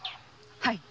はい。